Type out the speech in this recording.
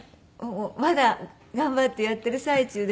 まだ頑張ってやってる最中で。